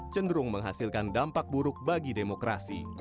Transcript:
cenderung menghasilkan dampak buruk bagi demokrasi